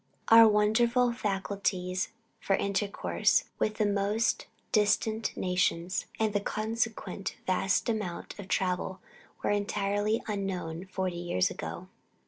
Our wonderful facilities for intercourse with the most distant nations, and the consequent vast amount of travel, were entirely unknown forty years ago.